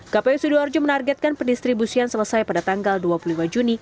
kpu sidoarjo menargetkan pendistribusian selesai pada tanggal dua puluh lima juni